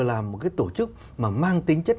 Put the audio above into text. là một cái tổ chức mà mang tính chất